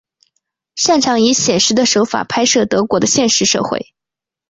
擅长以写实的手法拍摄德国的现实社会。